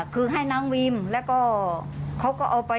คือให้น้องวิมแล้วก็เขาก็เอาไป